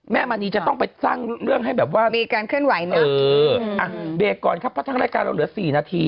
แม่มณีจะต้องไปสร้างเรื่องให้แบบว่าเอออ่ะเดี๋ยวก่อนครับเพราะทั้งรายการเราเหลือ๔นาที